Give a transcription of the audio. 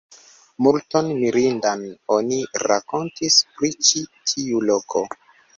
Multon mirindan oni rakontis pri ĉi tiu loko.